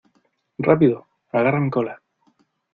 ¡ Rápido! ¡ agarra mi cola !